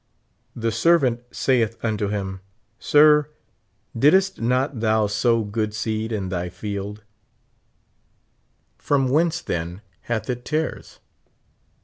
The servan saith unto him, Sir, didst not thou sow good seed in th; field • from whence, then, hath it tares?